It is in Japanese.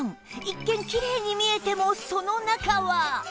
一見きれいに見えてもその中は